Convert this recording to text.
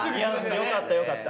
よかったよかった。